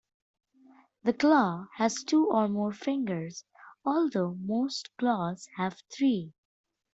The claw has two or more fingers, although most claws have three.